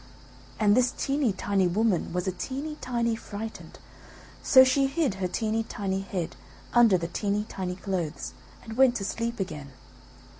And this teeny tiny woman was a teeny tiny frightened, so she hid her teeny tiny head under the teeny tiny clothes and went to sleep again.